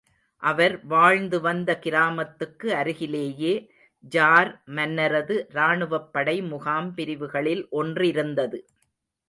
அவர் வாழ்ந்து வந்த கிராமத்துக்கு அருகிலேயே ஜார் மன்னனது ராணுவப் படை முகாம் பிரிவுகளில் ஒன்றிருந்தது.